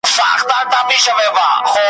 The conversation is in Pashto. مُغان زخمي دی مطرب ناښاده ,